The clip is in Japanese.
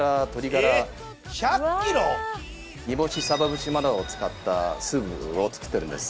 煮干しサバ節などを使ったスープを作ってるんです。